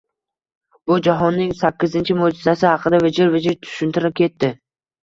bu «jahonning sakkizinchi moʼʼjizasi» haqida vijir-vijir tushuntira ketdi.